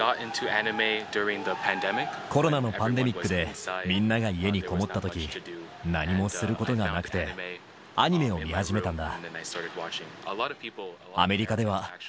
コロナのパンデミックで、みんなが家にこもったとき、何もすることがなくて、アニメを見始めたんだ。